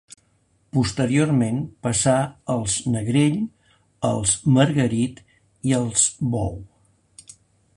Posteriorment passà als Negrell, als Margarit i als Bou.